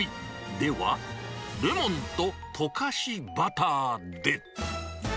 では、レモンと溶かしバターで。